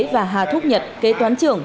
và hà thúc nhật kế toán trưởng